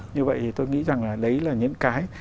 như vậy thì tôi nghĩ rằng là đấy là những cái